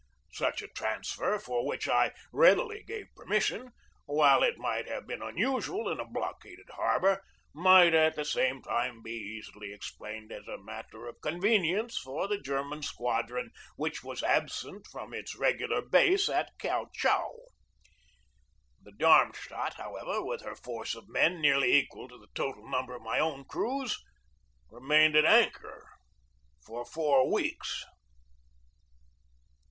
Such a transfer, for which I readily gave permission, while it might have been unusual in a blockaded harbor, might at the same time be easily explained as a matter of convenience for the German squadron which was absent from its regu A PERIOD OF ANXIETY 257 lar base at Kiau Chau. The Darmstadt, however, with her force of men nearly equal to the total number of my own crews, remained at anchor for four weeks.